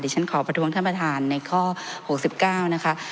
ฉันขอประท้วงท่านประธานในข้อ๖๙นะคะ